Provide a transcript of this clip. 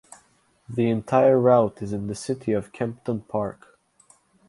The entire route is in the city of Kempton Park.